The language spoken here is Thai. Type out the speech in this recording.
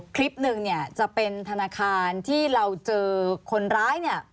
คลิปหนึ่งเนี่ยจะเป็นธนาคารที่เราเจอคนร้ายเนี่ย